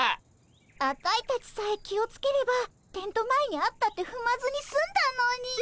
アタイたちさえ気をつければテント前にあったってふまずにすんだのに。